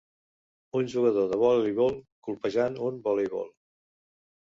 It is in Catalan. Un jugador de voleibol colpejant un voleibol